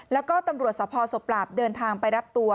แล้วก็ตำรวจสภศพปราบเดินทางไปรับตัว